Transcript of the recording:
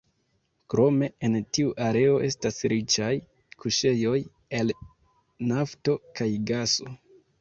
Krome en tiu areo estas riĉaj kuŝejoj el nafto kaj gaso.